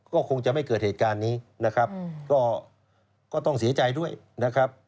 ก็คงจะไม่เกิดเหตุการณ์นี้นะครับก็ต้องเสียใจด้วยนะครับ